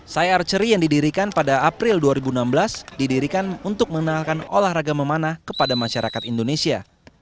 saya archery yang didirikan pada april dua ribu enam belas didirikan untuk mengenalkan olahraga memanah kepada masyarakat indonesia